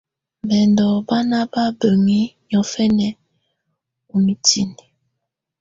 Bɛndɔ̀ bà nà baa bǝni niɔ̀fɛna ù mitini.